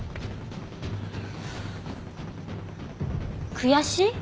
「悔しい？